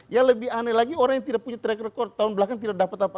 yang lebih aneh lagi orang yang tidak punya track record tahun belakang tidak dapat apa